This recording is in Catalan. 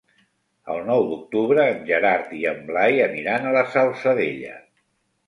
El nou d'octubre en Gerard i en Blai aniran a la Salzadella.